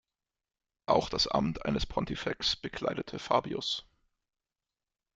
Auch das Amt eines Pontifex bekleidete Fabius.